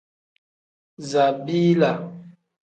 Zabiila.